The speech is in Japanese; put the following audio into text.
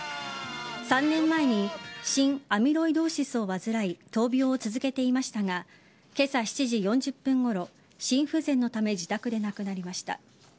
３年前に心アミロイドーシスを患い闘病を続けていましたが今朝７時４０分ごろ心不全のため自宅で亡くなりました。